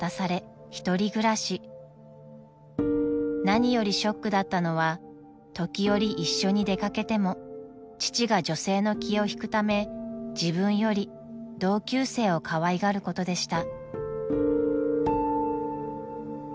［何よりショックだったのは時折一緒に出掛けても父が女性の気を引くため自分より同級生をかわいがることでした］